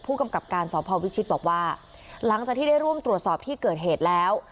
ผู้กำกับการสพวิชิตบอกว่าหลังจากที่ได้ร่วมตรวจสอบที่เกิดเหตุแล้ว